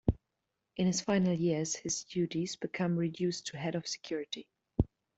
In his final years, his duties become reduced to head of security.